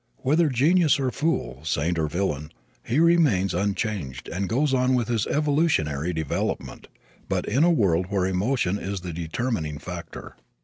Whether genius or fool, saint or villain, he remains unchanged and goes on with his evolutionary development, but in a world where emotion is the determining factor.